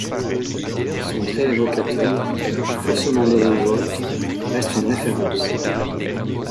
Son trait évocateur, faussement désinvolte, reste une référence.